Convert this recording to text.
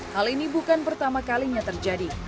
hal ini bukan pertama kalinya terjadi